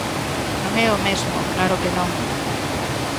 Non é o mesmo, claro que non.